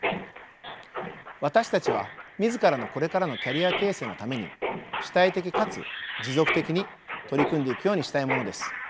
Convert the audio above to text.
私たちは自らのこれからのキャリア形成のために主体的かつ持続的に取り組んでいくようにしたいものです。